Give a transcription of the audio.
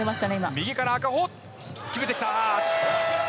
右から赤穂決めてきた！